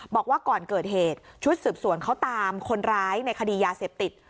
บอกว่าก่อนเกิดเหตุชุดสืบสวนเขาตามคนร้ายในคดียาเสพติด